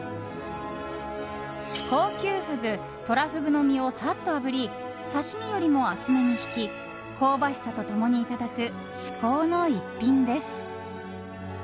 高級フグ、トラフグの身をさっとあぶり刺し身よりも厚めに引き香ばしさと共にいただく至高の逸品です。